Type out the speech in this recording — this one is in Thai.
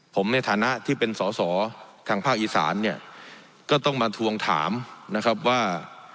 ผมในฐานะที่เป็นสอสอทางภาคอีสานเนี่ยก็ต้องมาทวงถามนะครับว่า